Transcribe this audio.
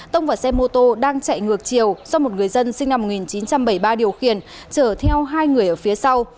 tông vào xe mô tô đang chạy ngược chiều do một người dân sinh năm một nghìn chín trăm bảy mươi ba điều khiển chở theo hai người ở phía sau